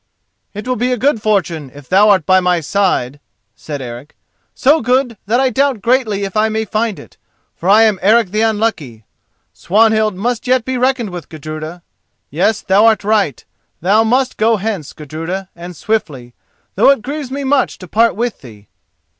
"It will be a good fortune if thou art by my side," said Eric, "so good that I doubt greatly if I may find it, for I am Eric the Unlucky. Swanhild must yet be reckoned with, Gudruda. Yes, thou art right: thou must go hence, Gudruda, and swiftly, though it grieves me much to part with thee."